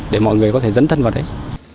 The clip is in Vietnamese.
để mọi người có thể dẫn thân vào đấy